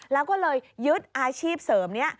แล้วก็เลยยึดอาชีพเสริมนี้